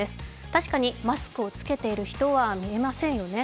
確かにマスクを着けている人は見えませんよね。